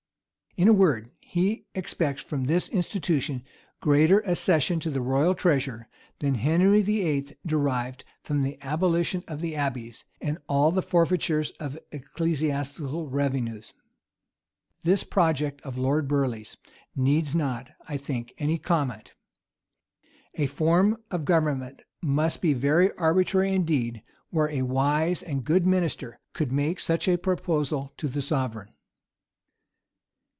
In a word, he expects from this institution greater accession to the royal treasure than Henry VIII. derived from the abolition of the abbeys, and all the forfeitures of ecclesiastical revenues. This project of Lord Burleigh's needs not, I think, any comment. A form of government must be very arbitrary indeed, where a wise and good minister could make such a proposal to the sovereign.